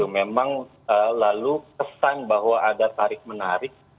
memang lalu kesan bahwa ada tarik menarik